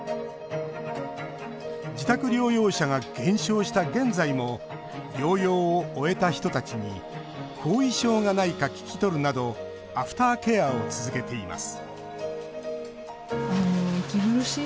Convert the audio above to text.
自宅療養者が減少した現在も療養を終えた人たちに後遺症がないか聞き取るなどアフターケアを続けています